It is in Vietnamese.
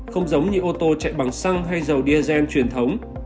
không giống như ô tô chạy bằng xăng hay dầu diesel truyền thống